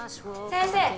先生！